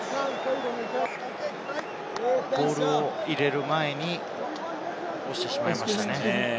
ボールを入れる前に押してしまいましたね。